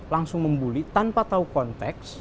langsung membuli tanpa tahu konteks